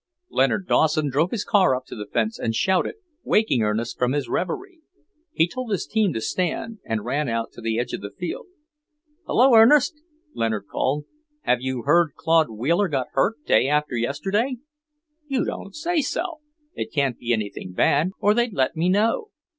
Leonard Dawson drove his car up to the fence and shouted, waking Ernest from his revery. He told his team to stand, and ran out to the edge of the field. "Hello, Ernest," Leonard called. "Have you heard Claude Wheeler got hurt day before yesterday?" "You don't say so! It can't be anything bad, or they'd let me know."